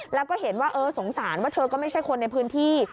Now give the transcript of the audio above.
และก็เห็นว่าสงสารเธอก็ไม่ใช่คนในพื้นที่